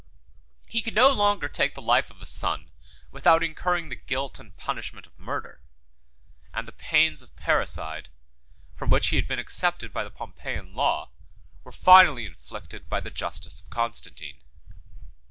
He could no longer take the life of a son without incurring the guilt and punishment of murder; and the pains of parricide, from which he had been excepted by the Pompeian law, were finally inflicted by the justice of Constantine.